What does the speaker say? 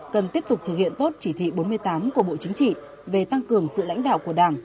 cần tiếp tục thực hiện tốt chỉ thị bốn mươi tám của bộ chính trị về tăng cường sự lãnh đạo của đảng